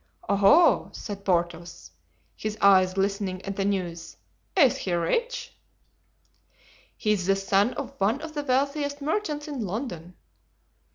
"Oho!" said Porthos, his eyes glistening at the news. "Is he rich?" "He's the son of one of the wealthiest merchants in London."